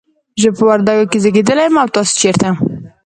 زه په وردګو کې زیږیدلی یم، او تاسو چیرته؟